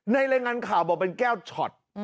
รายงานข่าวบอกเป็นแก้วช็อต